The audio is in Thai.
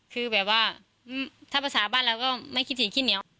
คือแบบว่าถ้าประสาทบ้านเราก็ไม่คิดสีคิดเหนียว